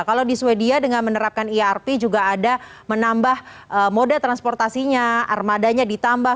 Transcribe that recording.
kalau di sweden dengan menerapkan irp juga ada menambah moda transportasinya armadanya ditambah